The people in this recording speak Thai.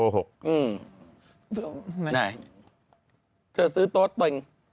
เธอซื้อโต๊ะเต่ง